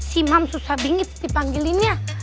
si mams susah bingit dipanggilinnya